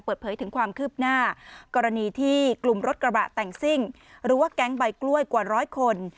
เปิดเผยถึงความคืบหน้ากรณีที่กลุ่มรถกระบะแต่งซิ่งหรือว่าแก๊งใบกล้วยกว่าร้อยคน